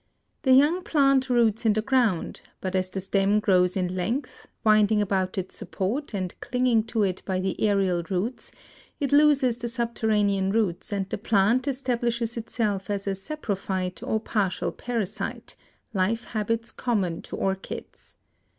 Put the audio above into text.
The young plant roots in the ground, but as the stem grows in length, winding about its support and clinging to it by the aerial roots, it loses the subterranean roots and the plant establishes itself as a saprophyte or partial parasite, life habits common to orchids.